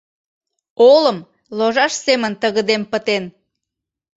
Олым ложаш семын тыгыдем пытен.